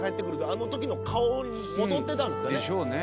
あの時の顔に戻ってたんですかね。でしょうね。